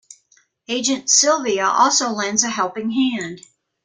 Agent Sylvia also lends a helping hand.